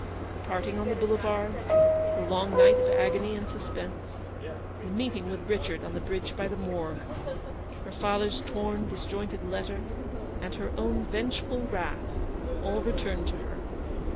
The parting on the boulevard; the long night of agony and suspense; the meeting with Richard on the bridge by the Morgue; her father's torn, disjointed letter; and her own vengeful wrath ; all returned to her.